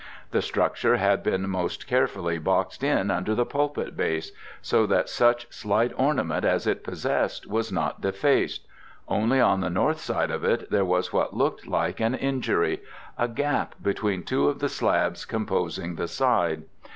The structure had been most carefully boxed in under the pulpit base, so that such slight ornament as it possessed was not defaced; only on the north side of it there was what looked like an injury; a gap between two of the slabs composing the side.